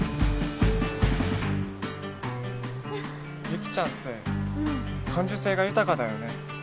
雪ちゃんって感受性が豊かだよね。